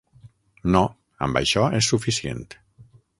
No, amb això és suficient.